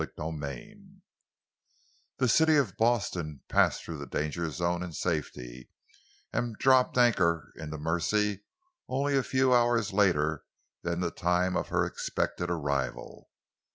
CHAPTER XIV The City of Boston passed through the danger zone in safety, and dropped anchor in the Mersey only a few hours later than the time of her expected arrival.